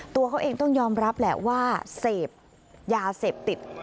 ตัวเขาเองต้องยอมรับแหละว่าเสพยาเสพติด